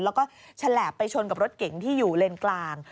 แล้วก็ฉลาบไปชนกับรถเก๋งที่อยู่เลนกลาง